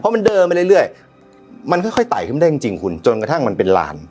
เพราะมันเดิมไปเรื่อยเรื่อยมันค่อยค่อยไตขึ้นได้จริงจริงคุณจนกระทั่งมันเป็นลาน